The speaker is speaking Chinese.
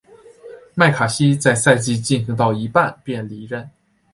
麦卡锡在赛季进行到一半便离任。